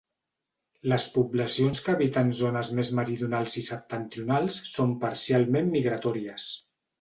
Les poblacions que habiten zones més meridionals i septentrionals són parcialment migratòries.